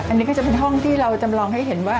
อันนี้ก็จะเป็นห้องที่เราจำลองให้เห็นว่า